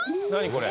これ。